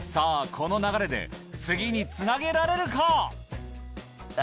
この流れで次につなげられるか？